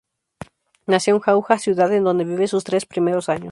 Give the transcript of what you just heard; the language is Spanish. Nació en Jauja, ciudad en donde vive sus tres primeros años.